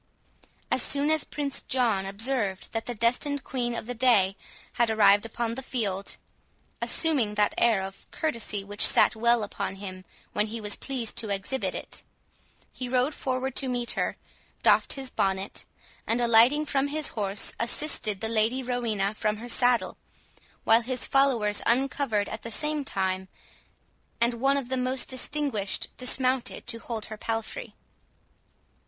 As soon as Prince John observed that the destined Queen of the day had arrived upon the field, assuming that air of courtesy which sat well upon him when he was pleased to exhibit it, he rode forward to meet her, doffed his bonnet, and, alighting from his horse, assisted the Lady Rowena from her saddle, while his followers uncovered at the same time, and one of the most distinguished dismounted to hold her palfrey.